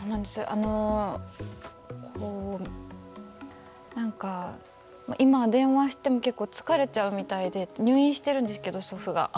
あの何か今電話しても結構疲れちゃうみたいで入院してるんですけど祖父が。